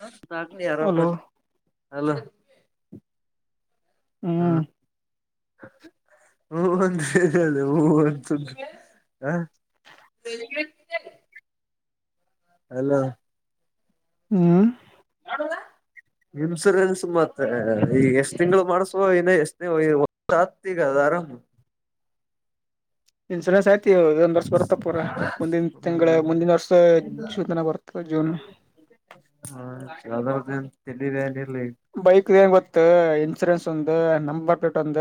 ಹ ದಾಾಗಲಿ ಆರಾಮ ಹಲೋ ಅಲ್ಲ ಹ್ಮ್. ಹ ಒಂದರಿ ಅ ಹ ಅಂತ ಹ [inaudible] ಹಲೋ. ಹ್ಮ್. [inaudible] [inaudible] [inaudible] ಇನ್ಸೂರೆನ್ಸ್ ಆಯತ್. ಇದ ಒಂದ್ ವರ್ಷ ಬರ್ತ ಪೂರಾ ಮುಂದಿನ ಹ್ಮ ತಿಂಗಳ ಮುಂದಿನ ವರ್ಷ ಜೂನ್ ತನ ಬರ್ತ ಜೂನ್. ಹಾ. ಯಾವದರದಿಂದ್ ತಲಿಬ್ಯಾನಿ ಇಲ್. ಬೈಕದ್ ಏನ್ ಗೊತ್ತ ಇನ್ಸೂರೆನ್ಸ್ ಒಂದ ನಂಬರ್ ಪ್ಲೇಟ್ ಒಂದ.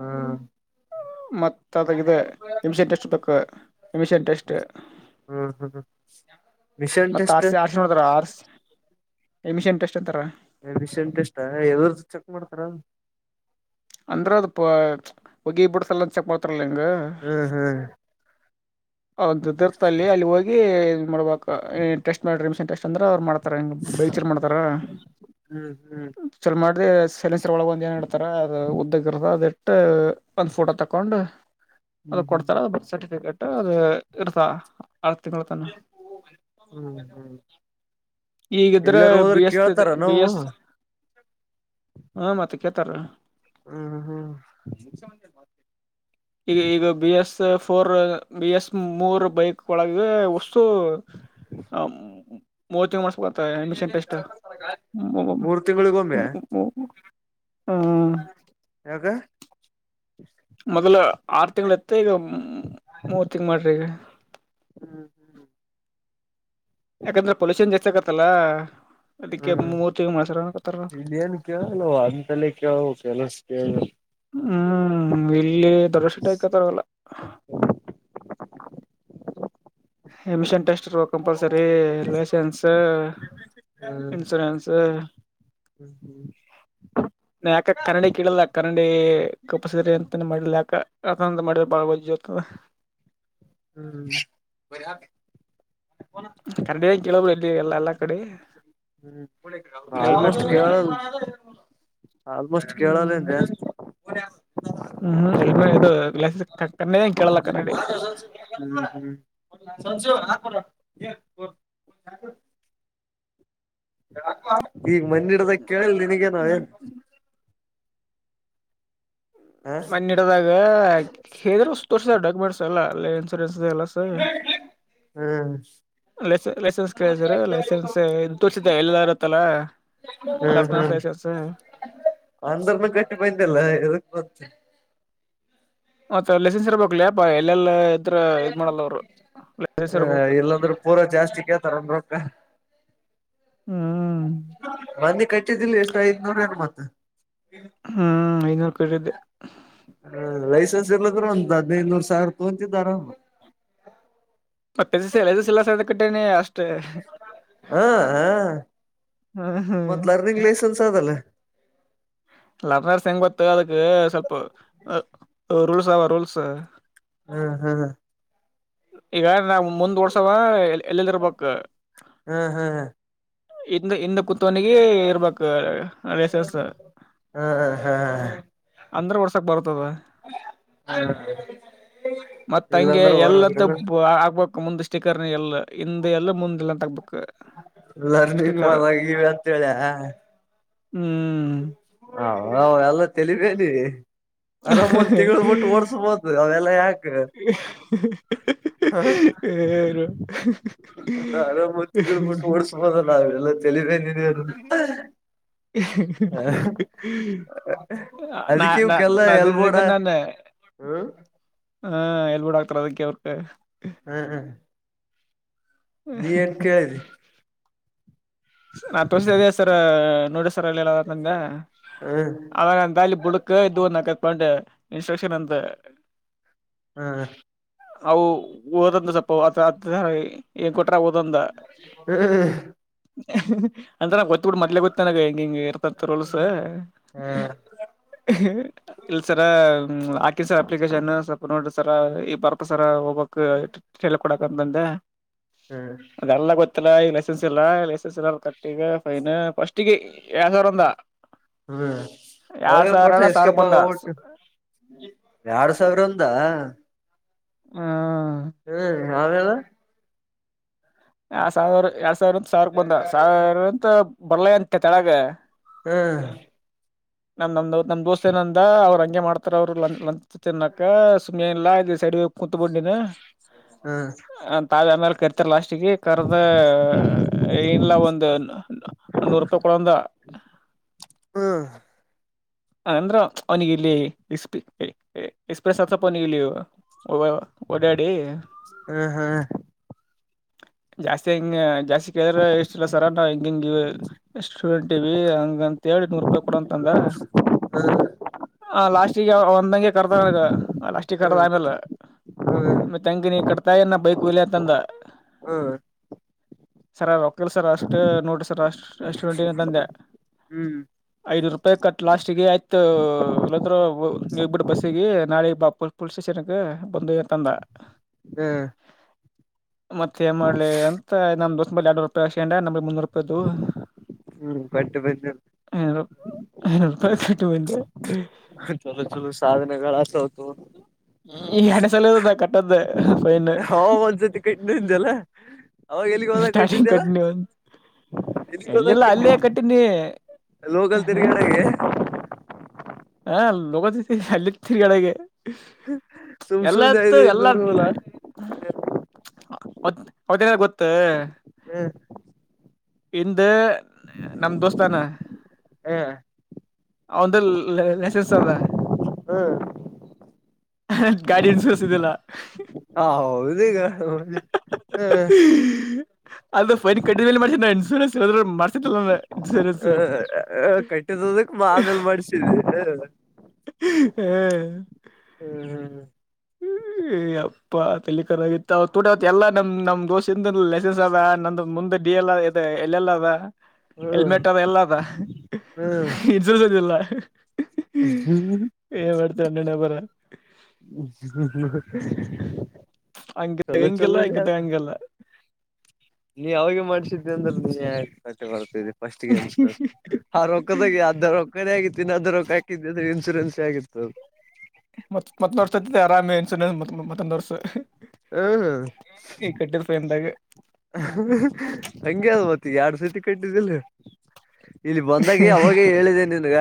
ಹ್ಮ್ ಮತ್ತ ಅದ ಇದ ಎಮಿಷನ್ ಟೆಸ್ಟ್ ಬೇಕ್ ಎಮಿಷನ್ ಟೆಸ್ಟ್. ಹ್ಮ್ ಹ್ಮ ಹ್ಮ. ಮತ್ತ ಆರಸಿ ಆರಸಿ ನೋಡ್ತಾರ ಆರಸಿ ಎಮಿಷನ್ ಟೆಸ್ಟ್ ಅಂತಾರ. ಎಮಿಷನ್ ಟೆಸ್ಟ್ ಇದರದ್ ಚೆಕ್ ಮಾಡ್ತಾರ. ಅಂದ್ರ ಅದು ಪ ಹೊಗಿ ಬಿಡ್ಸಲ್ಲಂತ ಚೆಕ್ ಮಾಡ್ತಾರಲ್ಲ ಹಿಂಗ. ಹ್ಮ್ ಅವರ್ದ ಈದರ್ತ ಅಲ್ಲಿ ಅಲ್ಲಿ ಹೋಗಿ ಇದ ಮಾಡ್ಬಬೇಕ್ ಟೆಸ್ಟ್ ಮಾಡ್ರಿ ಎಮಿಷನ್ ಟೆಸ್ಟ್ ಅಂದ್ರೆ ಅವ್ ಮಾಡ. ಬೈ ಚಲ ಮಾಡ್ತಾರ ಹ್ಮ್ ಹ್ಮ್ ಚಲ ಮಾಡ. ಅದೇ ಸೈಲೆಂಸರ್ ಒಳಗೆ ಒಂದು ಏನ್ ಇಡ್ತಾರೆ ಅದ ಉದ್ದಕ್ಕ ಇರತದ ಅದಿಟ್ಟ. ಒಂದು ಫೋಟೋ ತಕೊಂಡು ಅದು ಹ್ಮ್ ಹ್ಮ್ ಕೊಡ್ತಾರ ಬರ್ತ್ ಸರ್ಟಿಫಿಕೇಟ್ ಅದು ಇರ್ತ. ಆರ್ ತಿಂಗಳ ತನ ಎನ್ ಪೋ ಹ್ಮ್ ಹ್ಮ್. ಈಗಿದ್ರ ಎಲ್ಲಾರ ಹೋದ್ರ ಬಿ ಎಸ್ ಕೇಳ್ತಾರ ಬಿ ನಾವು ಎಸ್. ಹ ಮತ್ತ ಕೇಳ್ತಾರ. ಹ್ಮ ಹ. ಈಗ ಈಗ B S. Four B S ಮೂರು ಬೈಕ್ ಒಳಗ ವಷ್ಟು. ಹ ಮೋತಿಂಗಮಸ್. ಮತ್ತ ಎಮಿಷನ್ ಟೆಸ್ಟ. ಮೂರ್ ತಿಂಗಳಿಗೊಮ್ಮೆ ಯಾಕ. ಮೊದಲ ಆರ ತಿಂಗ್ಳ ಇತ್ತ ಈಗ ಮೂರು ತಿಂಗ್ಳ್ ಮಾಡಿರ ಈಗ. ಹ್ಮ್ ಹ್ಮ್. ಯಾಕಂದ್ರ ಪೊಲ್ಯೂಷನ್ ಜಾಸ್ತಿ ಆಕತ್ತಲ್ಲಾ. ಹ್ಮ್ ಇಲೆನ್ ಕೇಳಲ್ಲ ಅಂತಲೆ ಕೇಳ ಬೇಕ್ ಕೆಲಸ ಕೇಳ ಬೇಕ್. ಹ್ಮ್ ಇಲ್ಲಿ ದೊಡ್ಡ ದೊಡ್ಡ ಸಿಟ್ಯಾಗ್ ಕೇಳ್ತಾರ್ ಅವೆಲ್ಲ. ಎಮಿಷನ್ ಟೆಸ್ಟ್ ಇರಬೇಕ ಕಂಪಲ್ಸರಿ ಲೈಸೆನ್ಸ್. ಇನ್ಶುರೆನ್ಸ. ನ ಯಾಕ ಕನ್ನಡಿ ಕೇಳಿಲ್ಲ ಕನ್ನಡಿ ಕಂಪಲ್ಸಿರಿ ಅಂತ ಮಾಡಿಲ್ಲ ಯಾಕ. ಯಾಕಂದ ಮಾಡಿರ ಬಾಳ ವಜ್ಜ ಇತ್ತ್ ಅದ. ಹ್ಮ್ ಬರ [unintelligible] ಕನ್ನಡಂ ಕೇಳೋಬ ಇದ್ದ ಎಲ್ಲ ಎಲ್ಲಾ ಕಡೆ ಹ್ಮ್ ಹೆಲ್ಮೆಟ್ ಆಲ್ಮೋಸ್ಟ್ ಕ ಮೇನ್ [unintelligible] ಆಲ್ಮೋಸ್ಟ್ ಕೇಳಲ್ಲಂತೆ ಹ್ಮ್್ಮ್ ಎಲ್್ಮೇ ಇದು ಗ್ ಕೇಳಲಕ್ಕ [unintelligible] ಸಂ [unintelligible] ಈಗ ಮಂದಿಡದ ಕೇಳಿಲ್ಲ ನಿನಗೇ ನಾವ ಹ್ಮ್ ಏನ್ [unintelligible] ಹ ಮನ್ನ ಇಡದಾಗ ಹೇಳ್ರ ತೋರ್ಸ ಡಾಕ್ಯುಮೆಂಟ್ಸ್ ಎಲ್ಲ ಅಲ್ಲ ಎಲ್ಲ ಸ ಹಾ ಲೈಸ ಲೈಸೆನ್ಸ್ ಕೇಳಿದರ್ ಲೈಸೆನ್ಸ್ ಇ ತೋರ್ಸಿದ್ದ ಎಲ್ಲದ ಇರುತ್ತಲ್ಲಾ ಹ್ಮ್ ಹ್ಮ್ ಲಗ್ನಸ್ಲಸಸ [unintelligible] ಅಂದ್ರನು ಕಟ್ಟಿ ಪಂತಲ್ಲ [inaudible] ಮತ್ತ ಲೈಸೆನ್ಸ್ ಇರಬೇಕಕ್ಲಪ್ಪ ಎಲ್ಲೆಲ್ಲಾ ಇದತ್ರ ಇದ ಮಾಡಲ್ಲ ಅವರು ಲಸ್ ಇರ್ಬೇಕು ಇಲ್ಲಾಂದ್ರೆ ಪೂರಾ ಜಾಸ್ತಿ ಕೇಳ್ತಾರ ರೊಕ್ಕ ಹ್ಮ್ ಮಂದಿ ಕಟ್ಟಿದಿಲ್ಲ ಎಷ್ಟು ಐದ್ನೂರ ಏು ಮತ್ತೆ ಹ್ಮ್ ಐನೂರು ಕಟ್ಟಿದ್ದೆ ಹ ಲೈಸನ್ ರು ಅಂತದೈನೂರು ಸಾವಿರ ತಗಂತಿದಾರ ಮತ್ತೆ ಸಳೆದು ಸಿಲ ಸ ಕಟ್ಟನೆ ಅಷ್ಟು [unintelligible] ಹ ಹ ಹ್ಮ ಹ್ಮ್ ಮತ್ ಲರ್ನಿಂಗ್ ಲೈಸೆನ್ಸ್ ಅದಲ್ಲ ಲರ್ನರ್ಸ್ ಹೆಂಗ್ ಗೊತ್ತು ಅದಕ್ ಸ್ವಲ್ಪ ರೂಲ್ಸ್ ಅವವಾ ರೂಲ್ಸ್ ಹ್ಮ್ ಹ್ಮ್ ಹ ಈಗ ನಾವ್ ಮುಂದ್ ವರ್ಸವ ಎಲ್ಲದಿರ್ಬೇಕಕ್ ಹ್ಮ್ ಹ್ಮ್ ಹ್ಮ್ ಇಿಂದ [unintelligible] ಹಿಂದ ಕತ್ನಿಗೆ ಇರ್ಬೇಕ ಲೈಸೆನ್ಸ್ ಹ್ಮ್ ಹಾ ಅಂದ್ರ ಒಡ್ಸಕ್ ಬರುತದ ಮತ್ತಂಗೆ ಇಲ್ಲಾಂದ್ರೆ ಎಲ್ಲದ್ದು ಹೊರಂದ್ರನು ಆಗ್ಬೇಕು ಮುಂದ್ ಸ್ಟಿಕರ್ ಎಲ್ಲ ಹಿಂದ ಎಲ್ಲ ಮುಂದ ಇಲ್ಲ ಅಂತ ಆಗಬೇಕು ಲರ್ನಿಂಗ್ ಮಾಡಗವಿ ಅಂತೇಳಿಯ ಹ್ಮ್ ಹ ಅವೆಲ್ಲ ತಲಿಬೇ [unintelligible] ನೀ ಆರಾಮ ಒಂದ ತಿಂಗಗಳು ಬಿಟ್ಟು ಓಡ್ಸ್ಬಹದು ಅವೆಲ್ಲ ಹರ [unintelligible] ಆರಾಮತ್ [unintelligible] ತಿಂಗಳುಬಟ್ಟು ಓಡ್ಸ್ಬೋ ನಾವೆಲ್ಲ [unintelligible] ್ಮ [unintelligible] ನಾ ಅದಕ್ಕೆ ನ ಇವಕ್ಕೆಲ್ಲ ಎಲ್ಬೋಡ ನದಿದ್ದ ನಾನು ಹ್ಮ್ ಹ ಎಲ್ಬು ಡಾಕ್ಟರ್ ಅದಕ್ಕೆವರ್ [unintelligible] ಹ್ಮ್ ಹ್ಮ್ ನೀ ಏನ್ ಕೇಳಿದಿ ನಾನ್ ತೋರ್ಸೇ ಸರ್ ನೋಡ ಹ್ಮ್ ನಾಗ ದಾಲ ಬುಡಕ್ ಇದ ಒಂದು ನಕತ್ ಪೊಂಡು [unintelligible] ಇನ್ಸ್ಟ್ರಕ್ಷನ್ ಎಂತ ಹ್ಮ್ ಹ ಅವು ಓದಂದ ಸಪ್ಪ ನ್ ಕೊಟ್ಟ [unintelligible] ಹ್ಮ್ ಅಂತ ನಾಗ ಗೊತ್ತಬಿಟ್ಟ ಮೊದ್ಲೆ ಗೊತ್ತನಾಗ ಹೆಂಗ ಹಿಂಗ ಇರ್ತತ್ ರೋಲ್ಸ ಹ ಹ್ಮ್ ಕೆಲ್ಸರ [unintelligible] ಹ್ಮ ಹಾಕಿ ಸರ್ ಅಪ್ಲಿಕೇಶನ್ ಸ್ವಲ್ಪ ನೋಡ ಸರ ಈ ಬರ್ತ ಸರ ಹೋಗಕ್ ಕೊಡಕಂದ ಬಂದೆ ಅದೆಲ್ಲ ಗೊತ್ತಿಲ್ಲ ಈ ಲೈಸೆನ್ಸ್ ಇಲ್ಲನ್ ಲಲ್ ಕಟ್ಟಗ ಫೈನ್ ಫಸ್ಿಗೆ [unintelligible] ಯಾಸಾವರಂದಾ ಹ್ಮ್ ಅವಾಗ ಕೊಟ್ಟ್ರ ಸಾವಿರ ಎಸ್ಕೇಪ್ಗ ಬಂದ ವಟ್ಟು ಎರಡ್ ಸಾವಿರ ಅಂದಾ? ಹ್ಮ ಹ್ಮ್ ನಾಳೆ ಅಲ್ಲಾ? ಆ ಸಾವಿರ ಎರಡ್ ಸಾವಿರ ಅಂತ ಸಾವಿರಕ್ ಬಂದ ಸಾವಿರ ಅಂತ ಬರ್ಲ ಅಂತ ಕೆಳಗ. ಹ್ಮ್ ನಮ್ ನಮ್ದ ನಮ್ ದೋಸ್ತ ಏನ ಅಂದ ಅವ್ರ ಎಮ್ಮಾಡತರ ಮಾಡ್ತಾರ ಅವ್ರು ಲತ್ ತಿನ್ನಕ ಸುಮ್ಮನೆ ಇಲ್ಲಾ ಇ ಸೈಡ್ ಕುೂತ್ ಬೊಂಡಿನ ಹ್ಮ್ ಹ ತಾವೇ ಆಮೇಲೆ ಕರ್ತಿರ್ಲ್ಲ ಅಷ್ಟ. [inaudible] ಕರದ ಏನಲ್ಲ ಒಂದು ನೂರು ರೂಪಾಯಿ ಕೊಡಂದ [unintelligible] ಹ್ಮ್ ಹ ಅಂದ್ರ ಅವನಿಿಗೆ ಇಲ್ಲಿ ಎಸ್ಪ ಎಕ್ಸ್ಪ್ರೆಸ್ ಆತ್ತಪ್ಪ ಅವನಿಗೆ ಇಲ್ಲಿ. ನಳಳ್ತ ಒ ಓಡಾಡಿ ಹ್ಮ್ ಹ್ಮ್ ಜಾಸ್ತಿ ಹಂಗ ಜಾಸ್ತಿ ಕೇಳಿದ್ರೆ ಇಷ್ಟ ಇಲ್ಲ ಸರ ನಾವು ಹಿಂಗ ಹಿಂಗಿವ ಸ್ಟೂಡೆಂಟ್ ಇಿವವಿ ಹಂಗಂತ ಎಡ್ನೂಾಯಿ? ಹ್ಮ ಹ ಲಾಸ್ಟಿಗೆ ಒಂದಂಗೆ ಕರ್ದ ಲಾಸ್ಟಿಗೆ ಕರ್ದ ಹ್ಮ್ ಆಮೇಲ್ ಹ್ಮ್ ಮತ್ತ ಹೆಂಗ ನೀ ಕಟ್ತಾಯ ನಾನ ಬೈಕ್ ವಲೆಂತಂದ ಸರ್ ರೋಕ್ಕಿಲ್ ಸರ್ ಅಷ್ಟು ನೋಡಿ್ರ ಸರ್ ಅಷ್ಟ ಅಷ್ಟುಟತ ಅಂದೆ ಹ್ಮ್ ಹ್ಮ್ ಐದು್ ರೂಪಾಯಿ ಕಟ್ ಲಾ ಬಿಗೆ ಆಯ್ತು ಇಲ್ಲಾದ್ರು ನೀ ಬಿಿಟ್ಟ ಬಸ್ಸಿಗೆ ನಾಳೆ ಪುಲ್ಸ್ ಸ್ಟೇಷನ್ಗೆ ಬಂದು ತಂದ ಮತ್ತೆ ಏ ಮಾಡ್ಲಿ ಅಂತ ನಮ್ಮ ದೋಸ್ತ್ ಮೇಲೆ ಎರಡುೂರು ರೂಪಾಯಿ ಹಾಕಶಿಕಂಡ ನಮ್ ಮುನ್ನೂರು ರೂಪಾಯಿ ಅದು ಹ್ಮ್ ಗಟ್ಟೆ ಬಿಡ ಐನೂರು ರೂಪಾಯಿ ಕಟ್ಟಿ ಬಂದೆ ನಿನ್ ಚಲೋ ಚಲೋ ಸಾಧನೆಗಳಾಸತಾವ ತೋ ಹ್ಮ ಎಡನೆ ಸಲ ಇದ ಕಟ್ಟ್ದ ಫೈನ್, ಅವ ಒಂದ್ಸತಿ ಕಟ್ಟಿದ್ದಲ್ಲ ಅವಾಗ ಎಲ್ಲಿಗ್ ಹೋದಾಗ ಸ್ಟಾರ್ಟಿಂಗ್ ಕಟ್ಟಿದ್ದಲ್ಲ ಕಟ್ನಿ ಒಂದು ಎಲ್ಲಿಗ್ ಹೋದಾಗ ಎಲ್ಲೆಲ್ಲ ಕಟ್ಟಿ ಅಲ್ಲೇ ಕಟ್ನಿ ಲೋಕಲ್ ಹ್ಮ ತಿರ್ಗಾಡಗೆ ಹಾ ಲೋಗದ ಅಲ್ಲಿ ತಿಗಡೆಗೆ ಸುಮ್ ಸುಮ್ನೆ ಐದ್ ಎಲ್ಲತ್ತು ಎಲ್ಲ ಐದ್ನೂರು ಅಲ್ಲ ತ್ ಅವತ್ತೇನ ಗೊತ್ತ? ಹ್ಮ್ ಹಿಂದ ನಮ್ಮ್ ದೋಸ್ ಅದಾನ ಹ್ಮ್ ಸಸಲ್ಲ ಗಾಡಿಯನ್ ಸೂಸುದಲ್ಲ ಹೌದು ಈಗ ಅದು ಫೈನ್ ಕಟ್ಟಿದೇ ಮಾಡಿ ನವು ಇನ್ಸೂರೆನ್ಸ್ [inaudible] ಮಡ್ಸಿದ್ರದಲ್ಲ ಇನ್ಸೂರನ್ಸ್ ಕಟ್ಟಿದದಕ್ ಆಮೇಲ್ ಮಾಡ್ಸಿದ್ವಿ ಹ್ಮ್ ಹ್ಮ್ ಹ್ಮ್ ಹ್ಮ ಹ್ಮ್ ಅಪ್ಪಾ ತಲ್ಲಿಿಕರ ಆಗತ್ತು ಅವ ತೂಟವ ಎಲ್ಲ ನಮ್ ನಮ್ ದೋಸ್ಿಂದ ಲೆಸೆನ್ಸ್ ಅದ ನ ಮುಂದಡ್ ಡಿಎಲ್ ಆಗೆತಿ ಎಲ್ಲೆಲ್ಲ ಅದ ಎಲ್ಮೆಟ್ ಹ್ಮ್ ಅದ ಎಲ್ಲ ಅದ ಇನಸೂರೆನ್ಸದಿಲ್ಲ ಹ್ಮ್ ಮಾಡ್ತಾರೆ ಅಣ್ಣ ಬರ ಹಂಗ ಚಲೋ ಹೆಂಗಿಲ್ಲ ಚಲೋ ನೀ ಹಿಂಗತ ಆತಾ ಹಂಗಲ್ಲ ನೀ ಅವೇ ಮಾಡ್ಸಿದ್ದೆ ಅಂದ್ರೆ ನೀ ಯಾಕ್ ಕಟ್ಟಿ ಬರ್ತರಿ ಫಸ್ಟ್ ಅನ್ಸ ಆ ರೊಕ್ಕದಾಗ ಅದ ರೊಕ್ಕನೇ ಆಗಿತ್ತಿನಿ ಅದಧ ರೊಕ್ಕ ಹಾಕಿದ್ದ ಇಸೂರೆನ್ಸ ಆಗಿತ್ತು ಚ ಮತ್ತೊಂದ್ ವರ್ಷ ಹ್ಮ್ ಕಟ್ಟರ್ ಪಂದಾಗ ಎರಡು ಸತಿ ಕಟ್ಟಿದ್ದಿಲ್ಲ ಇಲ್ಲಿ ಬಂದಾಗ ಅವಾಗೇ ಹೇಳಿದೆ ನಿನ್ಗ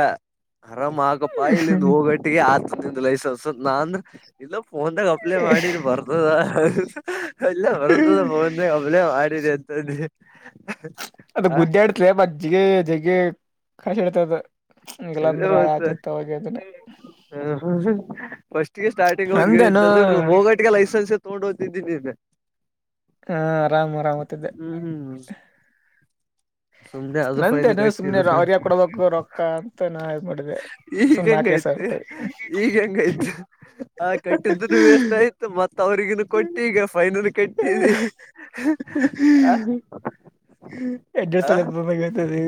ಅರಾಮ್ ಆಕಪ್ಪಾ ಇಲ್ಲಿಂದ ಹೋಗಟ್ಟಿಗೆ ಆತ ನಿಂದ ಲೈಸನ್ಸ್ ನಾ ಅಂದ್ರ ಇಲ್ಲ ಫೋನ್ ಕಪ್ಲೆ ಮಾಡಿ ಬರ್ತದ ಎಲ್ಲ ಬರ್ತದ ಫೋನ್ ಕಪ್ಲೆ ಮಾಡಿ ಸರಿ ಅತದೆ ಅದ ಗುದ್ದೆ ಆಡ್ತ ಮಜ್ಜಿಗೆ ಜಗ್ ಕಷ ಇಡ್ತದ ಅದೇ ಮತ್ತ ಹ ಫಸ್ಟ್ಗೆ ಸ್ಟಾರ್ಟಿಂಗ್ ಅವ್ಿಗೆ ಹೇಳಿದ್ದ ನಂದೇನು ಅಂದ್ರೆ ಹೋಗಟಿಗೆ ಲೈಸನ್ಸ್ ತಗೊಂಡ ಹೋಗ್ತಿದ್ದೀಿ ನಿಮೆ ಹಾ ಆರಾಮ್ ಆರಾಮತಿದ್ದೆ ಹ್ಮ್ ಸುಮ್ನೆ ಅದು ಫೈನ್ ನಂದೇನ ಕಟ್ಟಿ ಸುಮ್ನೆ ಇದು ಫೈನ್ ಅವ್ರ್ಯ ಕೊಡಬೇಕು ರೊಕ್ಕ ಅಂತ ನಾ ಇದ್ ಮಾಡೆ ಈಗ ಹಂಗಾಯ್ತು ಈಗ ಹಂಗಯ್ತು ಆ ಕಟ್ಟಿದ್ದನು ವಷ್ಟ ಆಯ್ತು ಮತ್ತ ಅವ್ರಿಗನು ಕೊಟ್ಟ ಈಗ ಫೈನಲ್ ಕೆಟ್ಟಿದಿ ಹ ಎಡ್ಡು ಸಲ ಬಂದಾಗತದೆ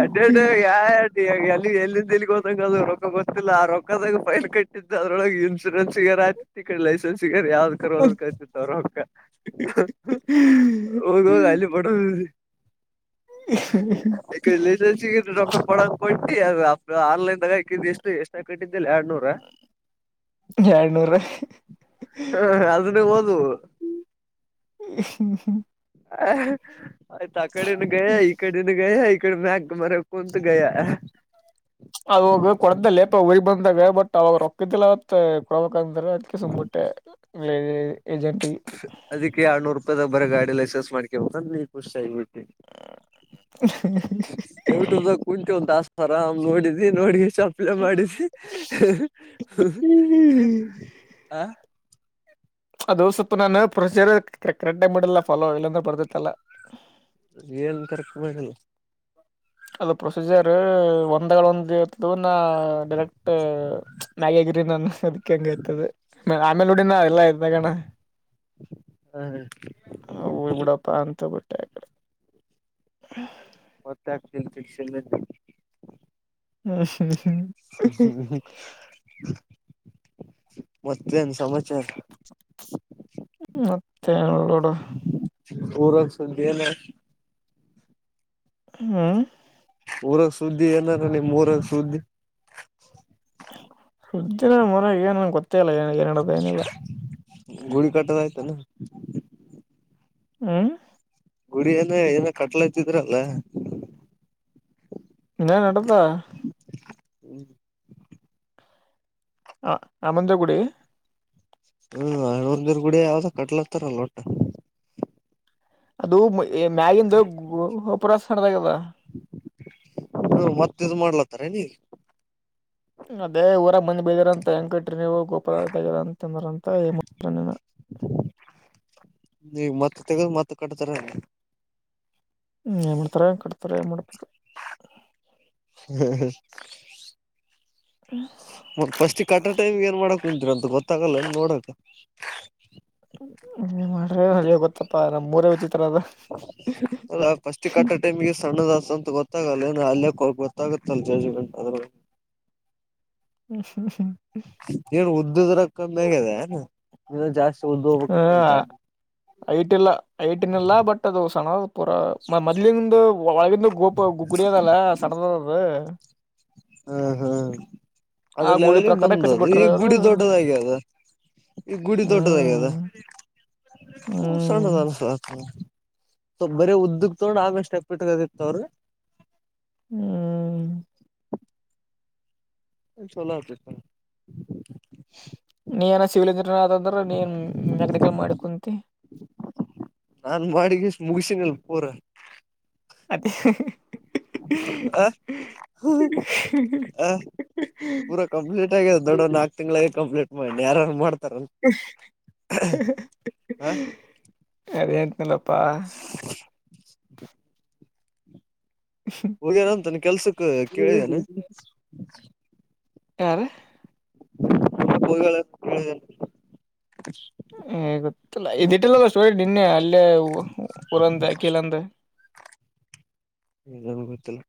ಎಡೆ ಎಡು ಯಾರಾರಡು ಎಲ್ಲಿ ಎಲ್ಲಿಂದ ಎಲ್ಲಿಗೆೋದಂಗ ಅದು ರೊಕ್ಕ ಗೊ್ತಿಿಲ್ಲ ಆ ರೊಕ್ಕದಾಗ ಫೈಲ್ ಕಟ್ಟಿದ್ದ ಅದ್ರೊಳಗೆ ಇನ್ಸೂರೆನ್ಸ್ಗ ಕಡೆ ಲೈಸೆನ್ಸ್ಗಾರ ಯಾವ್ದ್ ಕರ್ೋದ ಕತಿತ್ತು ಅವ್ರ ಅ ಹೋಗೋಗ ಅಲ್ಲಿ ಪಡೋದ ಈ ರಕ ಪಡ ಪಡ್ತ ಅ ಆನ್ಲೈನ್ ಗಾಕಿದ ಎಷ್ಟು ಎಷ್ಟ ಕಟ್ಟಿದ್ದಲ್ಲಿ ಎರಡ್ನೂರ ಎರಡ್ನೂರ ಹ ಅದನ ಬೋದು ಹ ಆಯ್ತ ಕಡೆನು ಗಯ ಈ ಕಡೆನು ಗಯ ಈ ಕಡೆ ಮ್ಯಾ ಮರ ಕುಂತ ಗಯ ಅವಾಗ ಕೊಡ್ದಲ್ಲೇಪ ಉರಿ ಬಂದಾಗ ಬಟ್ ಅವಾಗ ರೊಕ್ಕದಿಲ್ಲ ಮ ಕೊಡ ಹಂದ್ರ ಅದ್ಕ್ಕೆ ಸುಂಬುಟ್ಟೆ ಅದಕ್ಕೆ ಆರ್ನೂರು ರೂಪಾಯಿದ ಬರ ಗಾಡಿ ಲೈಸೆನ್ಸ್ ಮಾಡ್ಕೇ ಹಂದ್ರೆ ಈ ಖುಷಿ ಆಗಿಬಿಟ್ಟು ಎಟುದ ಕುಂಚ ಒಂತ ಆರಾಮ್ ನೋಡಿದಿ ನೋಡಿ ಚಾಪಲ ಮಾಡಿಸಿ ಹ್ಮ್ ಹ ಅದು ಸತ್ತು ನಾನು ಪ್ರೊಸೀಜರ್ ಕರೆಕ್ ಟೈಮ್ ಮಾಡಲ್ಲ ಫಾಲೋ ಇಲ್ಲಾಂದ್ರೆ ಬರ್ದೈತ್ತಲ್ಲಾ ಏನ್ ಕರೆಕ್ಟ್ ಮಾಡಣ ಅಲ್ಲ ಪ್ರೊಸೀಜರ್ ಒಂದಗಳ ಒಂದ್ ಇರ್ತದ ಡ ಮ್ಯ್ರೀ ಹತದೆ ಆೇಲೆ ನಡ ಎ ಣಬಡ ಪ ಅಂತ ಮತ್ತತ್ತ ಕ್ಷ ಹ್ಮ್ಮ ಹ್ಮ ಮತ್ತೇನ್ ಸಮಾಚಾರ ಮತ್ತೆ ನೋಡು ಊರಾಗ ಸಂತ ಏನ ಹ್ಮ್ ಊರಕ್ ಸುದ್ದಿ ಏನಲ್ಲಿ ಮೂಊರಕ್ ಸ್ದಿ ಸೃ್ಧ ಮರ ಏನನ್ ಗೊತ್ತ ಗುಳಿ ಕಟ್ಟದ ಆಯ್ತ ನ ಹ್ಮ ಗುರಿಯಏನ ಏನ ಕಟ್ಲ ಇತಿದ್ರಲ್ಲ ನಡದಾ ಹ್ಮ್ ಹ ಆಮಂದಗುಡಿ ಹ್ಮ ಹಣವರ್ಗರ್ ಗುಡ ಯಾವ್ದ ಕಟ್ಲತ್ತಾರಲ್ಲೋಟ ಅದು ಏ ಮ್ಯಗಿಂದ ಒಪರ ಸದಾಗದ ಸರ ನೀ ಅದೇ ಊರ ಬಂದಿ ಬೈದಾರ ಅಂತ ಹೆಂಟ್ರಿ ಗೋಪಾರ ಅಂತಂತ ಏ ನೀ ಮತ್ತೆ ತೆಗದು ಮತ್ತೆ ಕಟ್ತಾರೆ ಹ್ಮ್ ಎ ಮಾಡಡ್ತಾರೆ ಕಟ್ತಾರೆ ಮಾಡಡಪಡ ಹ್ಮ್ ಹ್ಮ್ ಮಫಸ್ಟ್ ಈ ಕಟ್ಟ ಟೈಮ್ಗೆ ಏನ್ ಮಾಡಕ್ ಕುಂತೀರ ಅಂತ ಗೊತ್ತಾಗಲ್ಲ ನೋಡಕ್ ಮಾಡ್ರೆ ಅರಿ ಗೊತ್ತಪ್ಪಾ ನಮ್ ಮೂರೇ ವಿಚಿತ್ರ ಅದು ಫಟ್ ಕಟ್ಟ ಟೈಮಿಗೆ ಸಣ್ಣದ ಗೊತ್ತಾಗಲ್ಲ ಏನ ಅಲ್ಲೇ ಗೊತ್ತಾಗುತ್ತಲ್ಲ ಜಜ್ಮೆಂಟ್ ಆದ್ರೂ ಹ್ಮ್ ನೀಏನ್ ಉದ್ದುದ್ರ ಕಮ್ಮಿ ಆಗಿದೆ ನೀನು ಜಾಸ್ತಿ ಉದ್ದು ಹೋಗ್ಬೇಕಿತ್ತಂತೆ ಐಟ ಇಲ್ಲ ಐಟನ್ ಇಲ್ಲ ಬಟ್ ಅದು ಸಣ ಪೂರ ಮೊದ್ಲಿಂದ ಒಳಗಂದು ಗೋಪ ಹ ಕುಡಿಯದಲ್ಲ ಸಡದ ಅದು ಹಾ ಹಾ ಆ ಅದ್ರ ಗುಡಿ ಲೆವೆಲ್ಗೆ ಪ್ರಕಾರ ಬಂದ್ದು ಈಗ ಕಟ್ಬಿಟ್ರ ಅವ್ರು ಗುಡಿ ದೊಡ್ಡದಾಗಿ ಅದ ಈಗ ಗುಡಿ ದೊಡ್ಡದಾಗ ಹ್ಮ್ ಅದ ಹ್ಮ್ ಸಣ್ಣದ ಅನ್ಸತ ಬರ ಉದ್ದಗ್ ತಗೊಂಡ ಆಮಷ್ಟೆಪ್ ಇಟ್ಕತಿತ್ತವ್ರಿ ಹ್ಮ ಚಲೋ ಆತಿತ ನೀ ಏನ ಸಿವಿಲ್ ಇಂಜಿನಿಯರ್ ಆದದ್ರ ನೀನ್ ಮೆಕಾನಿಕಲ್ ಮಾಡಿ ಕುಂತ [unintelligible] ನಾನ್ ಮಾಡಿಗೆಷ್ಟ ಮುಗಸಿನಲ್ ಪೂರ ಅತ್ತ ಹ ಹ ಪೂರ ಕಂಪ್ಲೀಟ್ ಆಗಿದೆ ದೊಡ್ಡ ನಾಕಕ್ ತಿಂಗಳಿಗೆ ಕಂಪ್ಲೀಟ್ ಮಾಡಿ ಯಾರು ಮಾಡ್ತಾರೆ ಹ ಅದಂತಲ್ಲ ಬಾ ಹೋಗಿನಾಮ್ ತಾನ ಕೆಲ್ಸಕ್ ಕೇಳಿದೇನೆ ಆ ಬಯಳ ಹ ಗೊತ್ತ ಇದ ನಿನ್ನೆ ಇ ಉರಂದ ಕೀಲಂದ ನನ್ ಗೊತ್ತಿಲ್ಲ